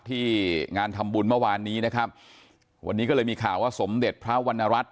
ที่งานทำบุญเมื่อวานนี้นะครับวันนี้ก็เลยมีข่าวว่าสมเด็จพระวรรณรัฐ